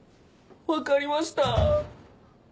わかりました。